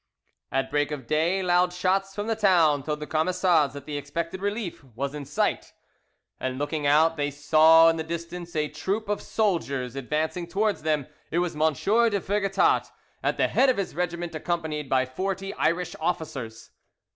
At break of day loud shouts from the town told the Camisards that the expected relief was in sight, and looking out they saw in the distance a troop of soldiers advancing towards them; it was M. de Vergetat at the head of his regiment, accompanied by forty Irish officers.